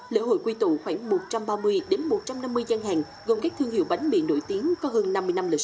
lễ hội quy tụ khoảng một trăm ba mươi một trăm năm mươi gian hàng gồm các thương hiệu bánh mì nổi tiếng có hơn năm mươi năm lịch sử